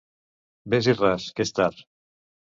Ves-hi ras, que és tard!